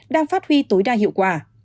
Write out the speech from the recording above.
đang phát huy tối đa hiệu quả